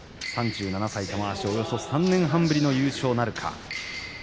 ３７歳、玉鷲およそ３年半ぶりの優勝なるか。